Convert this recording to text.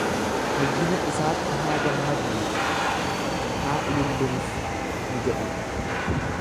Fayyina isaatti haa gammadnu, haa ilillinus ni jedhama.